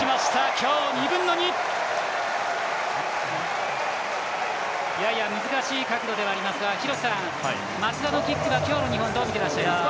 今日２分の２！やや難しい角度ではありますが廣瀬さん、松田のキックは今日の２本どうみてらっしゃいますか？